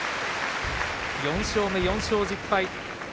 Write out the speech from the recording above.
４勝目、４勝１０敗。